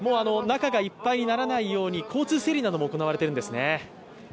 中がいっぱいにならないように、交通整理なども行われているんですね。